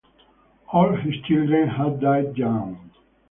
All his children had died young.